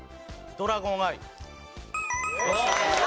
ドラゴンアイか！